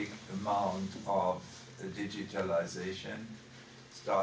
akan memiliki jumlah digitalisasi yang cukup besar